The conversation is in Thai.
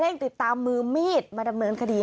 ติดตามมือมีดมาดำเนินคดี